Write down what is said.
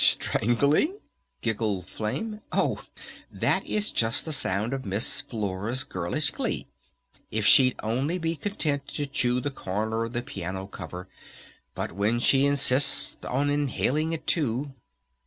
"Strangling?" giggled Flame. "Oh, that is just the sound of Miss Flora's 'girlish glee'! If she'd only be content to chew the corner of the piano cover! But when she insists on inhaling it, too!"